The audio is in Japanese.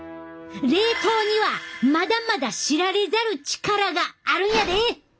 冷凍にはまだまだ知られざる力があるんやで！